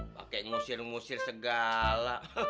pake ngusir ngusir segala